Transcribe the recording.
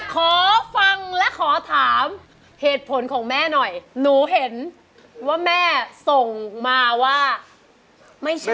ขอฟังและขอถามเหตุผลของแม่หน่อยหนูเห็นว่าแม่ส่งมาว่าไม่ใช่